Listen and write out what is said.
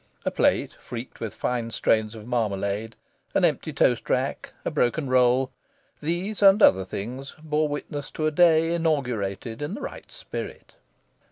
A plate streaked with fine strains of marmalade, an empty toast rack, a broken roll these and other things bore witness to a day inaugurated in the right spirit.